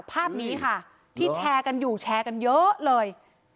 ภาพนี้ค่ะที่แชร์กันอยู่แชร์กันเยอะเลย